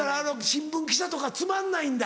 新聞記者とかつまんないんだ。